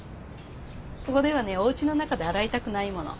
ここではねおうちの中で洗いたくないもの。